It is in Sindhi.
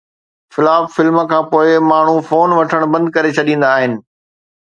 فلاپ فلم کان پوءِ ماڻهو فون وٺڻ بند ڪري ڇڏيندا آهن